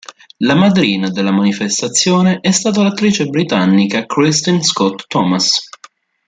La madrina della manifestazione è stata l'attrice britannica Kristin Scott Thomas.